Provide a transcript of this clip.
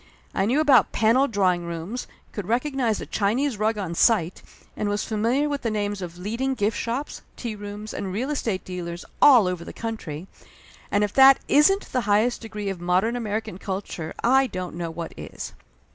I knew about paneled drawing rooms, could recognize a Chinese rug on sight and was famil iar with the names of leading gift shops, tea rooms and real estate dealers all over the country; and if that isn't the highest degree of modern American culture I don't know what is.